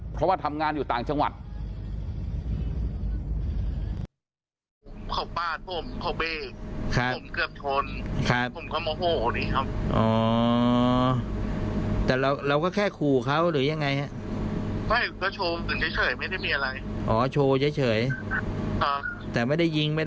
เพราะว่าทำงานอยู่ต่างจังหวัด